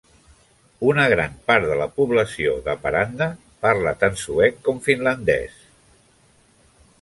Una gran part de la població d'Haparanda parla tant suec com finlandès.